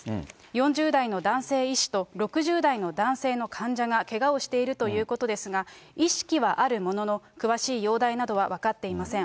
４０代の男性医師と６０代の男性の患者がけがをしているということですが、意識はあるものの、詳しい容体などは分かっていません。